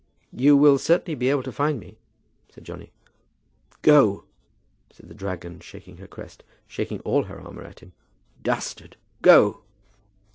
"You will certainly be able to find me," said Johnny. "Go," said the dragon, shaking her crest, shaking all her armour at him, "dastard, go!"